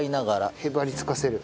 へばりつかせる。